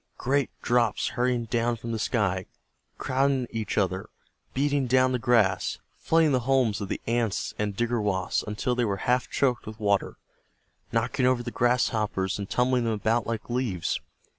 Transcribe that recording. Great drops hurrying down from the sky, crowding each other, beating down the grass, flooding the homes of the Ants and Digger Wasps until they were half choked with water, knocking over the Grasshoppers and tumbling them about like leaves.